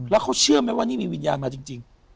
แล้วเขาเชื่อไหมว่านี่มีวิญญาณมาจริง